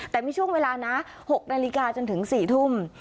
แต่มีช่วงเวลานะ๖นาฬิกาจนถึง๔ทุ่ม